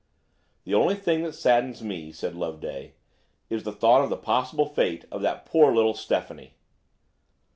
"The only thing that saddens me," said Loveday, "is the thought of the possible fate of that poor little Stephanie."